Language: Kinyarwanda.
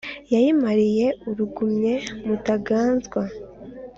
yayimariye urugumye mutaganzwa